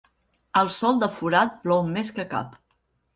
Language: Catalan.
El sol de forat plou més que cap.